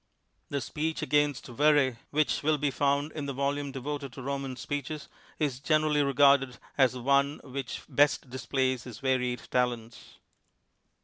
The speech against Verres, which will be found in the volume devoted to Roman speeches, is generally regarded as the one which best displays his varied talents.